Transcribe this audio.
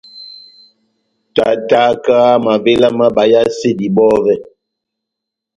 Tátáka mavéla má bayasedi bɔvɛ.